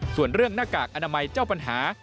ส่วนเรื่องหน้ากากอนามัยเจ้าปัญหา